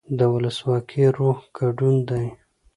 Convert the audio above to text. د ولسواکۍ روح ګډون دی